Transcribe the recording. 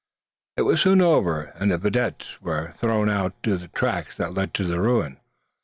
It was soon over, and videttes were thrown out on the tracks that led to the ruin.